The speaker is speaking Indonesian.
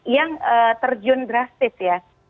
yang terjun drastis ya